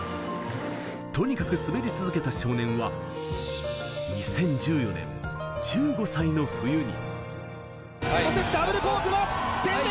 とにかく滑り続けた少年は、２０１４年、１５歳の冬に。